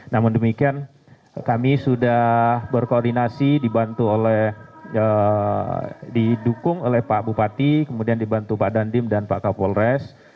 namun demikian kami sudah berkoordinasi dibantu oleh didukung oleh pak bupati kemudian dibantu pak dandim dan pak kapolres